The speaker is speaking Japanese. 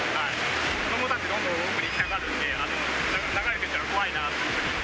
子どもたち、どんどん沖に行きたがるんで、流れていったら怖いなと。